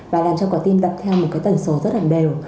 và làm cho quả tim đặt theo một cái tần số rất là đều